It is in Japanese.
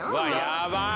やばい。